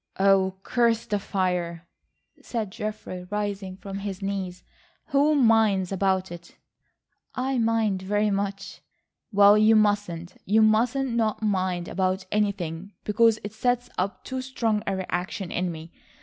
"Oh, curse the fire," said Geoffrey rising from his knees. "Who minds about it?" "I mind very much." "Well, you mustn't. You must not mind about anything, because it sets up too strong a reaction in me.